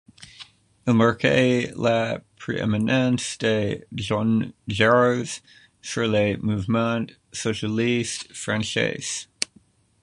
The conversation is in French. Il marque la prééminence de Jean Jaurès sur le mouvement socialiste français.